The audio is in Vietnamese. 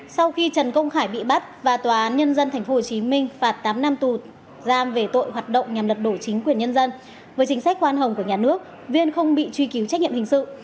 sau khi trần công khả bị bắt và tòa án nhân dân tp hcm phạt tám năm tù giam về tội hoạt động nhằm lật đổ chính quyền nhân dân với chính sách khoan hồng của nhà nước viên không bị truy cứu trách nhiệm hình sự